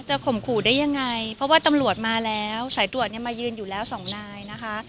ข่มขู่ได้ยังไงเพราะว่าตำรวจมาแล้วสายตรวจเนี่ยมายืนอยู่แล้วสองนายนะคะ